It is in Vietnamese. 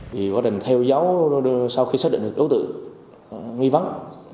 vì quá trình theo dấu sau khi xác định được đối tượng nghi vắng